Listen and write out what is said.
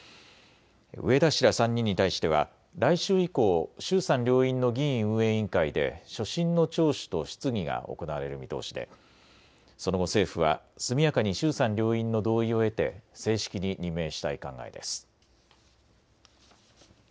植田氏ら３人に対しては来週以降、衆参両院の議院運営委員会で所信の聴取と質疑が行われる見通しでその後、政府は速やかに衆参両院の同意を得て正式に任命したい考えです。